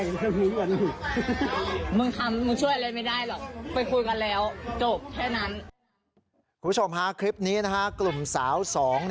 คุณผู้ชมฮะคลิปนี้กลุ่มสาวสอง